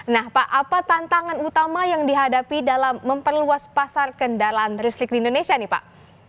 nah pak apa tantangan utama yang dihadapi dalam memperluas pasar kendaraan listrik di indonesia nih pak